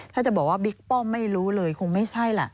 ถ้าจะบอกว่าบิ๊กป้อมไม่รู้เลยคงไม่ใช่ล่ะ